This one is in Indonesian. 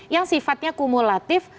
yang sifatnya kumulatif